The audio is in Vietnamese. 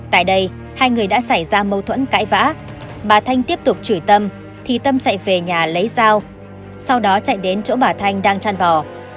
tại đây hai người đã xảy ra mâu thuẫn cãi vã bà thanh tiếp tục chửi tâm thì tâm chạy về nhà lấy dao sau đó chạy đến chỗ bà thanh đang chăn bò